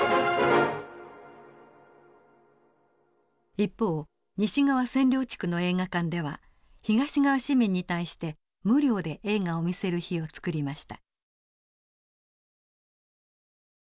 一方西側占領地区の映画館では東側市民に対して無料で映画を見せる日を作りました。